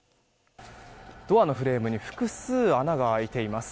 ドアのフレームに複数、穴が開いています。